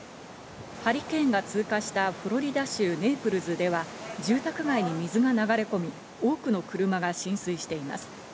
ハリケーンが通過したフロリダ州ネイプルズでは住宅街に水が流れ込み、多くの車が浸水しています。